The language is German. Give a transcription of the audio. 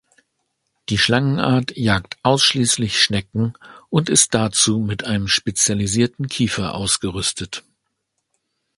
Die Schlangenart jagt ausschließlich Schnecken und ist dazu mit einem spezialisierten Kiefer ausgerüstet.